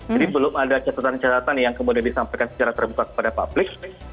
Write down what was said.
jadi belum ada catatan catatan yang kemudian disampaikan secara terbuka kepada publik